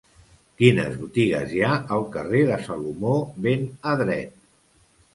Quines botigues hi ha al carrer de Salomó ben Adret